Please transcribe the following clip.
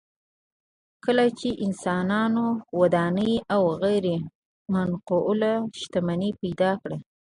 کله چې انسانانو ودانۍ او غیر منقوله شتمني پیدا کړه